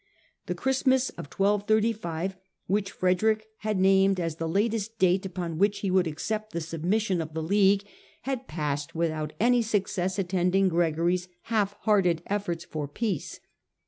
The Christmas of 1235, which Frederick had named as the latest date upon which he would accept the submission of the League, had passed without any success attending Gregory's half hearted efforts for peace.